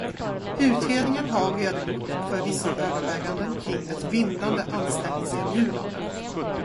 Utredningen har redogjort för vissa överväganden kring ett bindande anställningserbjudande.